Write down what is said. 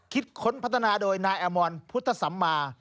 คิดค้นพัฒนาโดยนายอัมมอนพุทธศัมมา